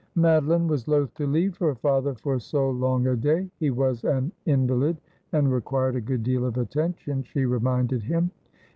Madoline was loth to leave her father for so long a day. He was an invalid, and required a good deal of attention, she re minded him.